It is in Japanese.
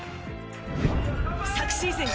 昨シーズン